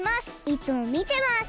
いつもみてます！